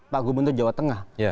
pak gubernur jawa tengah